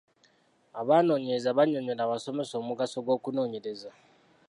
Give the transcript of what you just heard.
Abanoonyereza bannyonnyola abasomesa omugaso gw'okunoonyereza.